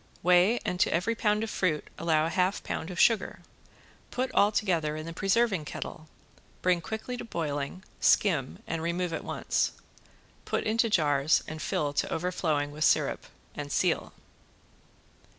Weigh, and to every pound of fruit allow a half pound of sugar, put all together in the preserving kettle, bring quickly to boiling, skim, and remove at once. Put into jars and fill to overflowing with sirup, and seal.